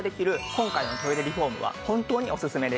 今回のトイレリフォームは本当にオススメです。